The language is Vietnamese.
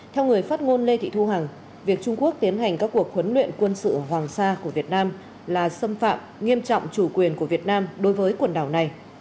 theo người phát ngôn lê thị thu hằng việc trung quốc tiến hành các cuộc huấn luyện quân sự hoàng sa của việt nam là xâm phạm nghiêm trọng chủ quyền của việt nam đối với quần đảo này